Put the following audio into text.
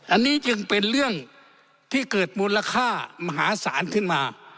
อันนี้จึงเป็นเรื่องที่เกิดมูลค่ามหาศาลขึ้นมา